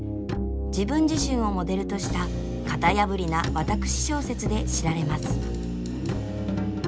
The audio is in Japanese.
自分自身をモデルとした型破りな私小説で知られます。